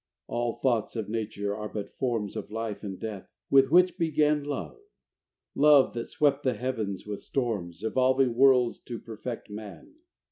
VIII All thoughts of nature are but forms Of life and death, with which began Love: love, that swept the heavens with storms, Evolving worlds to perfect man.